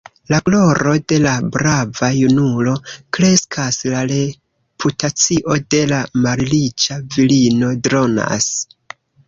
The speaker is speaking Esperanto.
La gloro de la brava junulo kreskas; la reputacio de la malriĉa virino dronas.